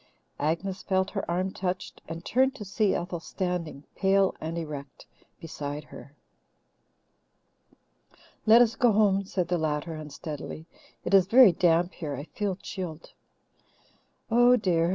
Agnes felt her arm touched, and turned to see Ethel standing, pale and erect, beside her. "Let us go home," said the latter unsteadily. "It is very damp here I feel chilled." "Oh, dear!"